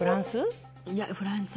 フランス？